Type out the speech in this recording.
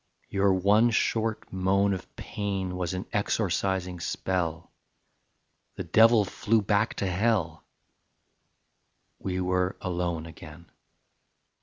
Your one short moan of pain Was an exorcising spell: The devil flew back to hell; We were alone again.